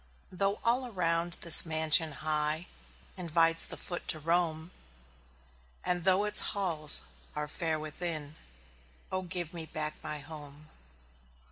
Though all around this mansion high Invites the foot to roam, And though its halls are fair within Oh, give me back my HOME!